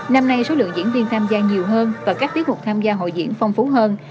năm nay số lượng diễn viên tham gia nhiều hơn và các tiết mục tham gia hội diễn phong phú hơn